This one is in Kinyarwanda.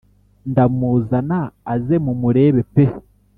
ndamuzana aze mumurebe pe